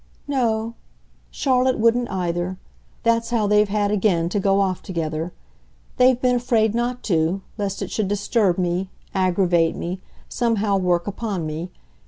"No Charlotte wouldn't either. That's how they've had again to go off together. They've been afraid not to lest it should disturb me, aggravate me, somehow work upon me.